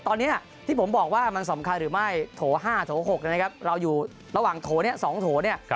ตอนนี้ที่ผมบอกว่ามันสำคัญหรือไม่โถ๕โถ๖นะครับเราอยู่ระหว่างโถเนี่ย๒โถเนี่ย